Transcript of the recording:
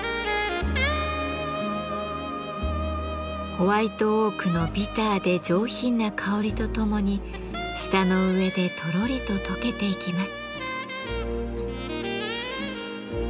ホワイトオークのビターで上品な香りとともに舌の上でトロリと溶けていきます。